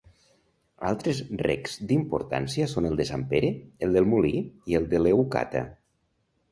Altres recs d'importància són el de Sant Pere, el del Molí i el de Leucata.